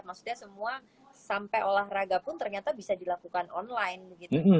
maksudnya semua sampai olahraga pun ternyata bisa dilakukan online gitu